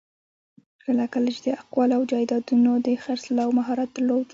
کله کله یې د قوالو او جایدادونو د خرڅلاوو مهارت درلود.